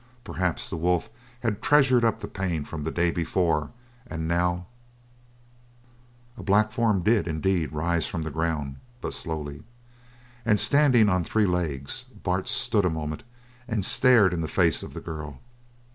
Perhaps the wolf had treasured up the pain from the day before and now A black form did, indeed, rise from the ground, but slowly. And standing on three legs, Bart stood a moment and stared in the face of the girl.